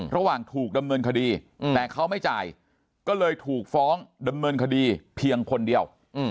ระหว่างถูกดำเนินคดีแต่เขาไม่จ่ายก็เลยถูกฟ้องดำเนินคดีเพียงคนเดียว